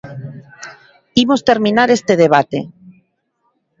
Imos terminar este debate.